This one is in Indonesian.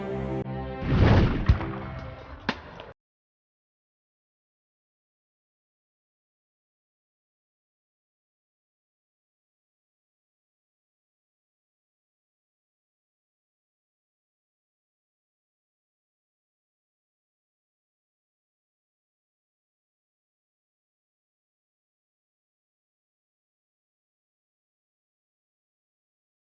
boleh buat malam kita saya rambut auch kata dia